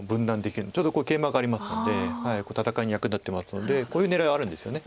ちょうどケイマがありますので戦いに役立ってますのでこういう狙いはあるんですよね。